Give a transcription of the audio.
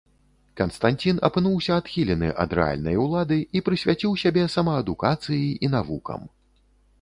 Канстанцін апынуўся адхілены ад рэальнай улады і прысвяціў сябе самаадукацыі і навукам.